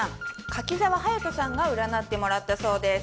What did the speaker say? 柿澤勇人さんが占ってもらったそうです。